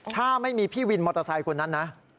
ถ้าไม่มีพี่วินมอเตอร์ไซค์คนนั้นนะ